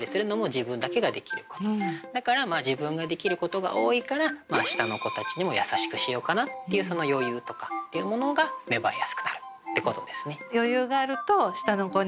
だから自分ができることが多いから下の子たちにも優しくしようかなっていうその余裕とかっていうものが芽生えやすくなるってことですね。